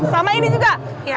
sama ini juga